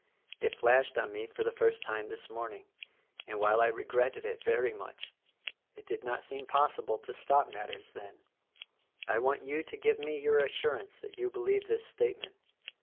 It flashed on me for the first time this morning; and, while I regretted it very much, it did not seem possible to stop matters then. I want you to give me your assurance that you believe this statement.